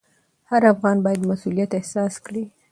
هر افغان باید مسوولیت احساس کړي.